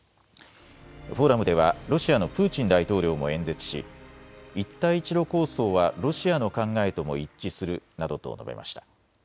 フォーラムではロシアのプーチン大統領も演説し一帯一路構想はロシアの考えとも一致するなどと述べました。